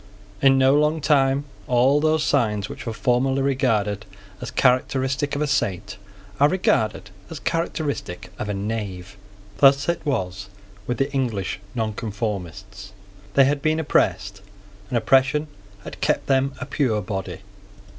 In no long time all those signs which were formerly regarded as characteristic of a saint are regarded as characteristic of a knave. Thus it was with the English Nonconformists. They had been oppressed; and oppression had kept them a pure body.